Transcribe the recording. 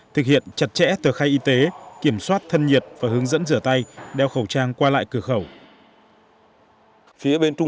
thực hiện chặt chẽ tờ khai y tế kiểm soát thân nhiệt và hướng dẫn rửa tay đeo khẩu trang qua lại cửa khẩu